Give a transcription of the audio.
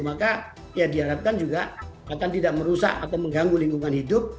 maka ya diharapkan juga akan tidak merusak atau mengganggu lingkungan hidup